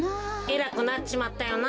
えらくなっちまったよな。